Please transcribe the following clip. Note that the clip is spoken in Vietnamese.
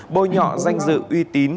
bôi nhọ danh dự uy tín